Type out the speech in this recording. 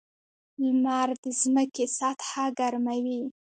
• لمر د ځمکې سطحه ګرموي.